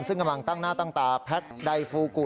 ซึ่งกำลังตั้งหน้าตั้งตาแพ็คไดฟูกุ